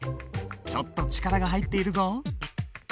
ちょっと力が入っているぞ。